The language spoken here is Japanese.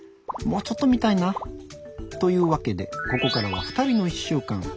もうちょっと見たいな。というわけでここからは「ふたりの１週間」。